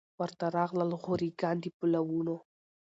ورته راغلل غوري ګان د پولاوونو